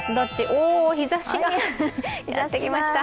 おお、日ざしがやってきました